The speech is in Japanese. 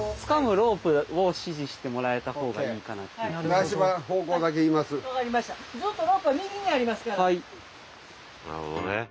なるほどね。